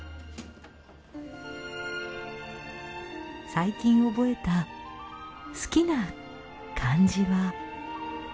最近覚えた好きな漢字は。